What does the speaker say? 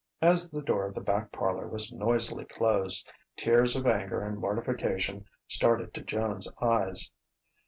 As the door of the back parlour was noisily closed, tears of anger and mortification started to Joan's eyes.